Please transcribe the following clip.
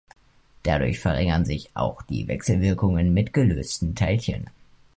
Dadurch verringern sich auch die Wechselwirkungen mit gelösten Teilchen.